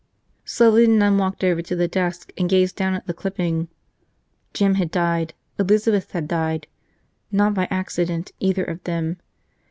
Slowly the nun walked over to the desk and gazed down at the clipping. Jim had died, Elizabeth had died – not by accident, either of them.